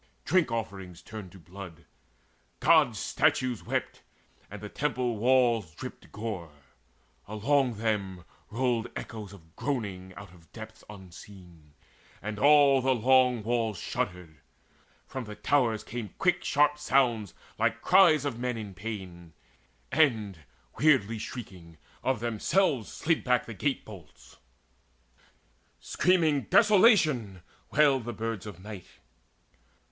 Drink offerings turned to blood, Gods' statues wept, And temple walls dripped gore: along them rolled Echoes of groaning out of depths unseen; And all the long walls shuddered: from the towers Came quick sharp sounds like cries of men in pain; And, weirdly shrieking, of themselves slid back The gate bolts. Screaming "Desolation!" wailed The birds of night.